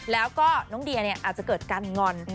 แล้วก็น้องเดียอาจจะเกิดการงอน